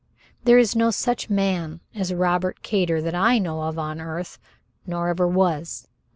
There is no such man as Robert Kater that I know of on earth, nor ever was.